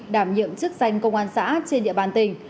đảm nhiệm chức danh công an xã trên địa bàn tỉnh